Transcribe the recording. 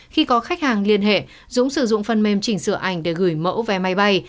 khi có khách hàng liên hệ dũng sử dụng phần mềm chỉnh sửa ảnh để gửi mẫu vé máy bay